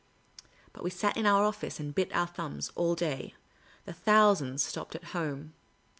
But we sat in our office and bit our thumbs all day ; the thousands stopped at home.